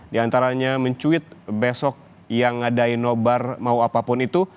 diantaranya mencuit besok yang ngadain nobar mau apapun itu